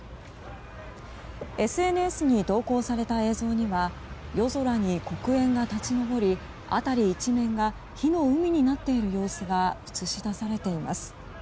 ＳＮＳに投稿された映像には夜空に黒煙が立ち上り辺り一面が火の海になっている様子が映し出されています。